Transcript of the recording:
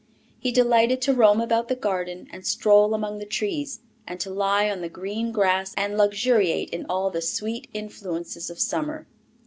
He delighted to roam about the garden, and stroll among the trees, and to lie on the green grass and luxuriate in all the sweet influences of summer.